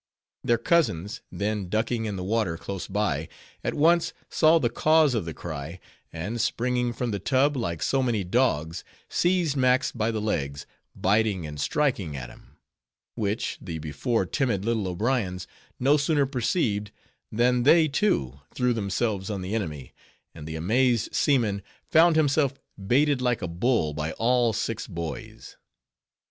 Their cousins, then ducking in the water close by, at once saw the cause of the cry; and springing from the tub, like so many dogs, seized Max by the legs, biting and striking at him: which, the before timid little O'Briens no sooner perceived, than they, too, threw themselves on the enemy, and the amazed seaman found himself baited like a bull by all six boys.